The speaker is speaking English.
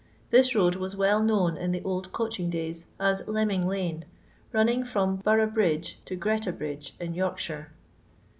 This road .was well known in the old coaehing days as Leming lane, running from Boroughbridge to Qreta Bridge, in Yorkshire.